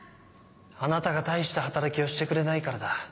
あなたが大した働きをしてくれないからだ。